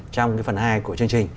trong cái phần hai của chương trình